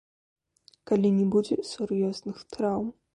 Калі не будзе сур'ёзных траўм.